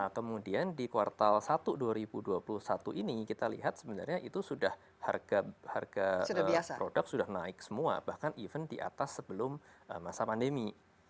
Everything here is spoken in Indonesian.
kemudian di kuartal satu dua ribu dua puluh satu ini kita lihat sebenarnya itu sudah harga produk sudah naik semua bahkan even di atas sebelum masa pandemi